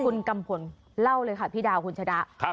คุณก่ำพลเล่าเลยค่ะพิดานะขัมบาริคุณชะดั้น